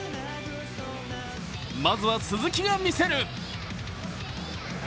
まずは鈴木が見せる。